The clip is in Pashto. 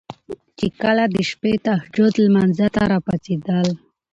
چې کله د شپې تهجد لمانځه ته را پاڅيدل